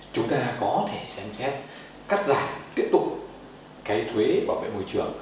chúng ta có thể xem xét cắt giảm tiếp tục cái thuế bảo vệ môi trường